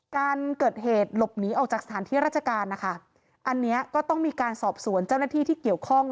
การเกิดเหตุหลบหนีออกจากสถานที่ราชการนะคะอันเนี้ยก็ต้องมีการสอบสวนเจ้าหน้าที่ที่เกี่ยวข้อง